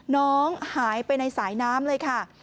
น้องหายไปในสายน้ำเลยค่ะ